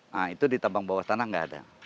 nah itu di tambang bawah tanah nggak ada